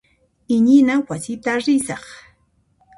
Iñina wasita risaq.